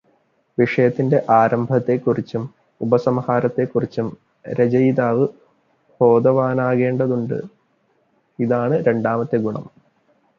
വിഷയത്തിന്റെ ആരംഭത്തെക്കുറിച്ചും ഉപസംഹാരത്തെക്കുറിച്ചും രചയിതാവ് ബോധവാനാകേണ്ടതുണ്ട്, ഇതാണ് രണ്ടാമത്തെ ഗുണം.